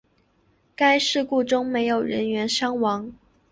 在该事故中没有人员伤亡。